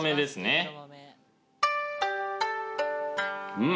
うん。